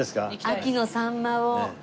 秋のさんまを。